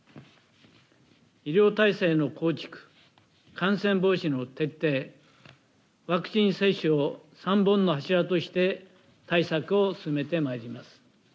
医療体制の構築、感染防止の徹底、ワクチン接種を３本の柱として対策を進めてまいります。